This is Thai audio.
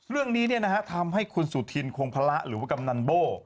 เรื่องนี้ทำให้คุณสุธินคงพระหรือว่ากำนันโบ้